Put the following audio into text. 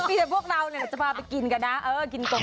มีแต่พวกเราจะพาไปกินกันนะ